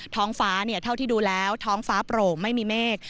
ท้องฟ้าเท่าที่ดูแล้วท้องฟ้าโปร่งไม่มีเมฆ